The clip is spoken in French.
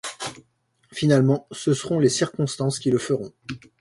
Finalement ce seront les circonstances qui le feront.